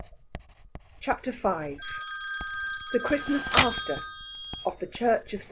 CHAPTER V THE CHRISTMAS AFTER. OF THE CHURCH OF ST.